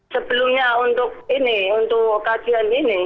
sebelumnya untuk ini untuk kajian ini